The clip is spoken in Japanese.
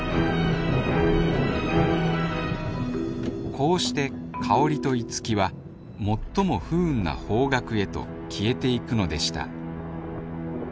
こうして香と樹はもっとも不運な方角へと消えていくのでした